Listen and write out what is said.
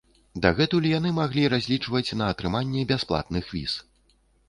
Дагэтуль яны маглі разлічваць на атрыманне бясплатных віз.